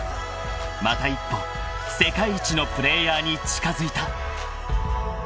［また一歩世界一のプレーヤーに近づいた］